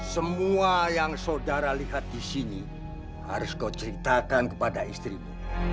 semua yang saudara lihat di sini harus kau ceritakan kepada istrimu